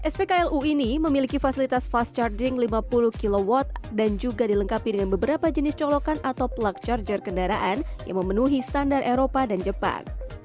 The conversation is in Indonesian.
spklu ini memiliki fasilitas fast charding lima puluh kw dan juga dilengkapi dengan beberapa jenis colokan atau plug charger kendaraan yang memenuhi standar eropa dan jepang